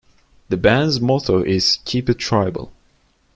The band's motto is "Keep it Tribal".